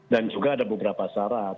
dan juga ada beberapa syarat